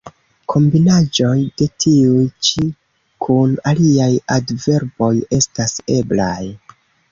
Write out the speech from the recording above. Kombinaĵoj de tiuj ĉi kun aliaj adverboj estas eblaj.